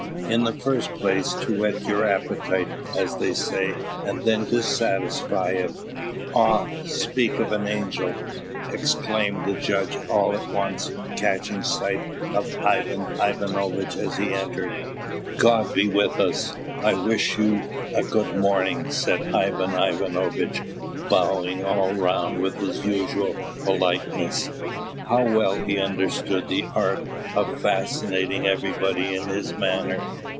In the first place, to whet your appetite, as they say, and then to satisfy it Ah! speak of an angel," exclaimed the judge, all at once, catching sight of Ivan Ivanovitch as he entered. "God be with us! I wish you a good morning," said Ivan Ivanovitch, bowing all round with his usual politeness. How well he understood the art of fascinating everybody in his manner!